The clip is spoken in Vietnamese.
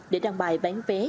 để đăng bài bán vé